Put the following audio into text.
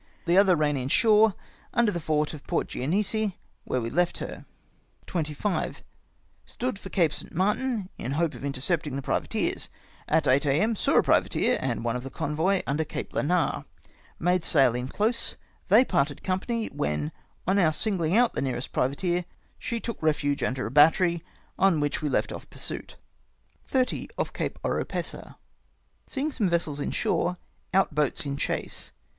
The other ran in shore under the fort of Port Genoese, where we left her. "25. — Stood for Cape St. Martin, in hope of intercepting the privateers. At 8 a.m. saw a privateer and one of the convoy under Cape Lanar. Made sail in chase. They parted com pany ; when, on our singling out the nearest privateer, she took refuge under a battery, on which we left off pursuit. "30. — Off Cape Oropesa. Seeing some vessels in shore, out 1)oats in chase.